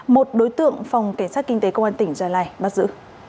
một đối tượng phòng cảnh sát kinh tế công an tỉnh gia lai bắt giữ